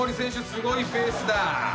すごいペースだ。